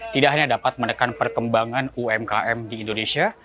tidak hanya dapat menekan perkembangan umkm di indonesia